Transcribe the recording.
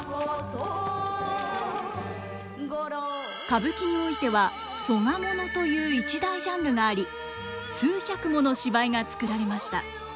歌舞伎においては「曽我もの」という一大ジャンルがあり数百もの芝居が作られました。